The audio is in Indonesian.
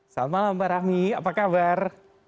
selamat malam mbak rahmi apa kabar